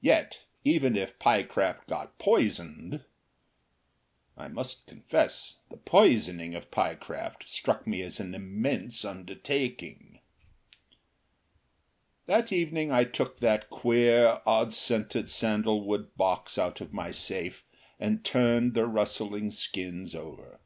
Yet even if Pyecraft got poisoned I must confess the poisoning of Pyecraft struck me as an immense undertaking. That evening I took that queer, odd scented sandalwood box out of my safe and turned the rustling skins over.